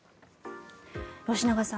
吉永さん